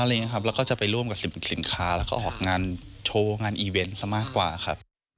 แล้วก็จะไปร่วมกับสินค้าแล้วก็ออกงานโชว์งานอีเวนต์ซะมากกว่าครับ